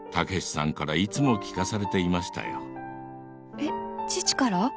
えっ父から。